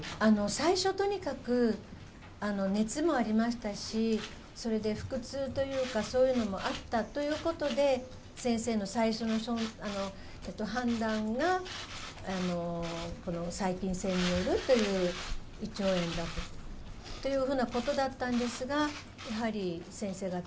最初、とにかく熱もありましたしそれで腹痛というか、そういうのもあったということで先生の最初の判断が細菌性によるという胃腸炎だというふうなことだったんですが。